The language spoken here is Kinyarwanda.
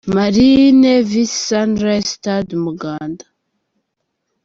Marines vs Sunrise – Stade Umuganda.